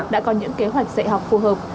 đã có những kế hoạch dạy học phù hợp